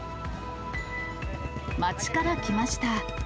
街から来ました。